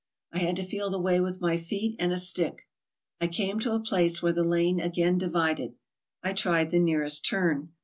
I had to feel the way with my feet and a stick. I came to a place where the lane again divided. I tried the nearest turn.